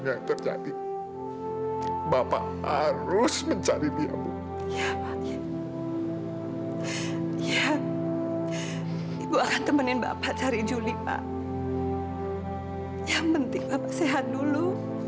yang penting bapak sehat dulu